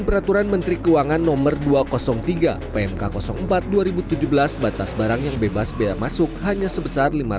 peraturan menteri keuangan no dua ratus tiga pmk empat dua ribu tujuh belas batas barang yang bebas bea masuk hanya sebesar